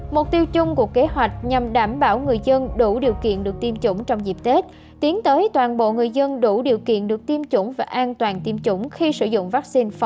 một tiêu chung của kế hoạch nhằm đảm bảo người dân đủ điều kiện được tiêm chủng trong dịp tết tiến tới toàn bộ người dân đủ điều kiện được tiêm chủng và an toàn tiêm chủng khi sử dụng vắc xin phòng covid một mươi chín